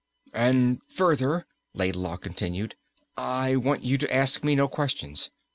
"And further," Laidlaw continued, "I want you to ask me no questions.